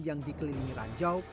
yang dikelilingi ranjau